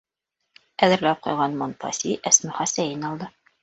Әҙерләп ҡуйылған монпаси, әсмүхә сәйен алды.